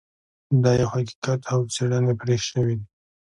دا یو حقیقت دی او څیړنې پرې شوي دي